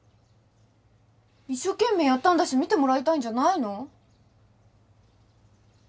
一生懸命やったんだし見てもらいたいんじゃないの？